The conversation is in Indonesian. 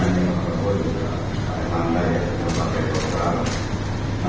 dan sebenarnya pak bo juga memang layak untuk pakai protokol